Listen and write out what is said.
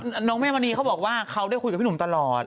น้องแม่มณีเขาบอกว่าเขาได้คุยกับพี่หนุ่มตลอด